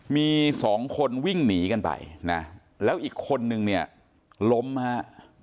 มีสองคนวิ่งหนีกันไปนะแล้วอีกคนนึงเนี่ยล้มฮะ